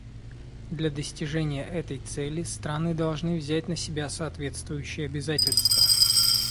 Для достижения этой цели страны должны взять на себя соответствующие обязательства.